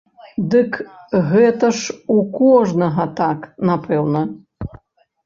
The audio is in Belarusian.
Дык гэта ж у кожнага так, напэўна?